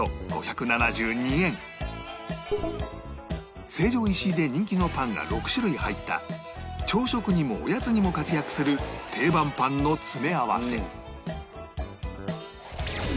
そして成城石井で人気のパンが６種類入った朝食にもおやつにも活躍する定番パンの詰め合わせ